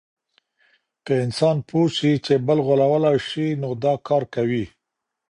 که انسان پوه سي چي بل غولولای سي نو دا کار کوي.